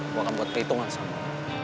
gue akan buat perhitungan sama lo